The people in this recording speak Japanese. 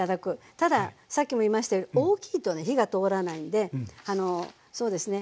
たださっきも言いましたが大きいとね火が通らないんでそうですね